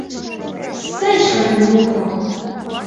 — Сай шонен лукмо!